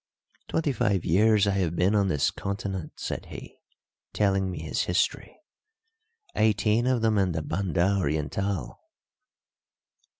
"Twenty five years I have been on this continent," said he, telling me his history, "eighteen of them in the Banda Orientál."